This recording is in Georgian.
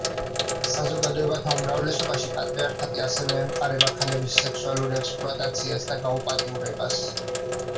საზოგადოებათა უმრავლესობაში პატრიარქატი ასევე ემყარება ქალების სექსუალურ ექსპლუატაციას და გაუპატიურებას.